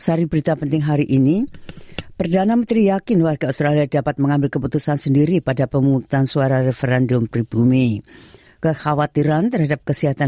anda bersama sbs bahasa indonesia